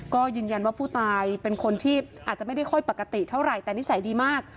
ก็ยืนยันว่าผู้ตายเป็นคนที่อาจจะไม่ได้ค่อยปกติเท่าไหร่แต่นิสัยดีมาก